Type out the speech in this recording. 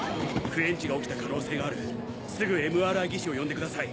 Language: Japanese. クエンチが起きた可能性があるすぐＭＲＩ技師を呼んでください。